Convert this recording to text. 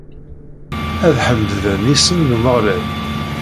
Ad ḥemden isem n Umeɣlal!